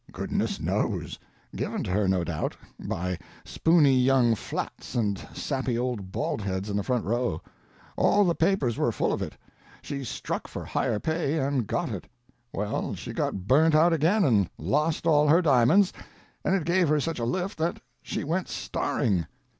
"Goodness knows—given to her, no doubt, by spoony young flats and sappy old bald heads in the front row. All the papers were full of it. She struck for higher pay and got it. Well, she got burnt out again and lost all her diamonds, and it gave her such a lift that she went starring."